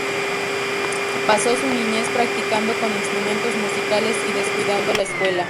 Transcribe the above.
Pasó su niñez practicando con instrumentos musicales y descuidando la escuela.